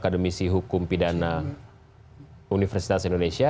akademisi hukum pidana universitas indonesia